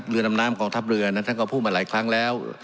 เรือดำน้ำกองทัพเรือนั้นท่านก็พูดมาหลายครั้งแล้ว